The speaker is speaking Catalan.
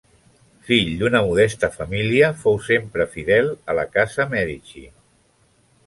Fill d'una modesta família, fou sempre fidel a la casa Mèdici.